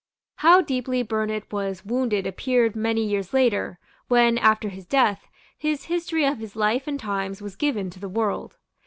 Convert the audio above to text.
How deeply Burnet was wounded appeared many years later, when, after his death, his History of his Life and Times was given to the world.